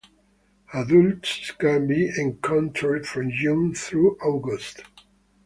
Adults can be encountered from June through August.